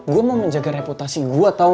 gue mau menjaga reputasi gue tau gak yaa